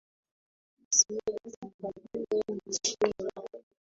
Nionyeshe jinsi utakavyo nishinda